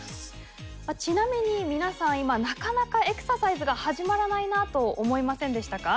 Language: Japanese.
ちなみに皆さん今なかなかエクササイズが始まらないなと思いませんでしたか？